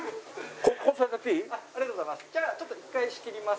ありがとうございます。